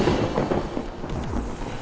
gak ada apa apa gue mau ke rumah